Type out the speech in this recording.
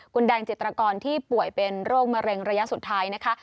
คุณแดงจิตรกรที่ป่วยเป็นโรคมะเร็งระยะสุดท้ายนะคะ